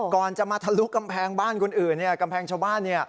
ก่อนจะมาทะลุกำแพงบ้านคนอื่นกำแพงชาวบ้าน